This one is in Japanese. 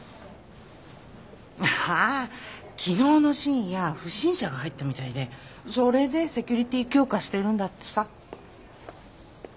ああ昨日の深夜不審者が入ったみたいでそれでセキュリティー強化してるんだってさ。